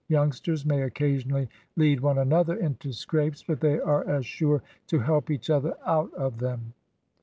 Youngsters may occasionally lead one another into scrapes, but they are as sure to help each other out of them."